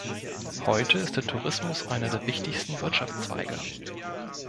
Heute ist der Tourismus einer der wichtigsten Wirtschaftszweige.